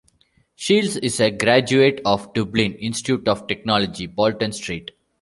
Shields is a graduate of Dublin Institute of Technology - Bolton Street.